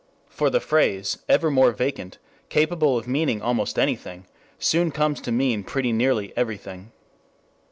For the phrase, ever more vacant, capable of meaning almost anything, soon comes to mean pretty nearly everything.